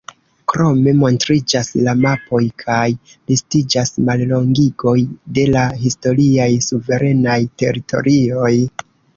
Krome montriĝas la mapoj kaj listiĝas mallongigoj de la historiaj suverenaj teritorioj.